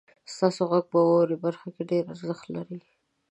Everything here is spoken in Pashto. ستاسو غږ په واورئ برخه کې ډیر ارزښت لري.